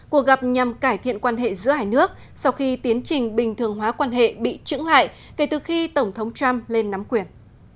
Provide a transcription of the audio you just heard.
cuộc gặp nhằm cải thiện quan hệ giữa hai nước sau khi tiến trình bình thường hóa quan hệ bị trứng lại kể từ khi tổng thống trump lên nắm quyền